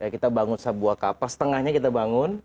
kita bangun sebuah kapal setengahnya kita bangun